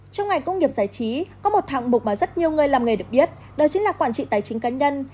trong ngành công nghiệp giải trí có một hạng mục mà rất nhiều người làm nghề được biết đó chính là quản trị tài chính cá nhân